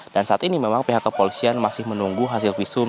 dan saat ini memang pihak kepolisian masih menunggu hasil visum